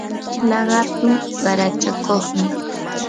laqatu qarachakunmi.